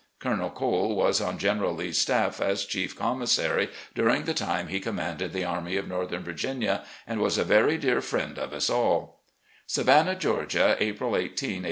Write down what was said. Colonel Cole was on General Lee's stafif as chief commissary dtuing the time he commanded the Army of Northern Virginia, and was a very dear friend of us all : "Savannah, Georgia, April i8, 1870.